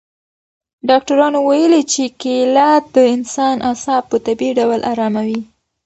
ډاکټرانو ویلي چې کیله د انسان اعصاب په طبیعي ډول اراموي.